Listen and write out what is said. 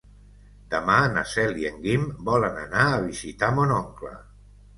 Demà na Cel i en Guim volen anar a visitar mon oncle.